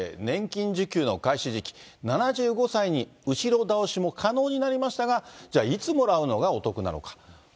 年金受給の開始時期、７５歳に後ろ倒しも可能になりましたが、じゃあ、いつもらうのがお得なのか。